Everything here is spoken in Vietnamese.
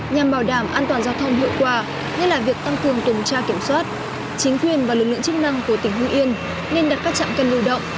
nhằm bảo đảm an toàn giao thông hiệu quả như là việc tăng cường tổng tra kiểm soát chính quyền và lực lượng chức năng của tỉnh hữu yên nên đặt các chạm kênh lưu động